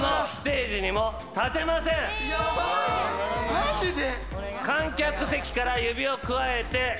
マジで！？